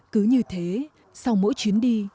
cứ như thế sau mỗi chuyến đi